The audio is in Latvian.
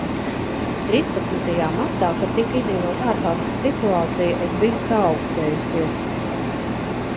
Trīspadsmitajā martā, kad tika izziņota ārkārtas situācija, es biju saaukstējusies.